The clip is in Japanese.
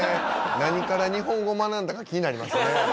何から日本語学んだのか気になりますね。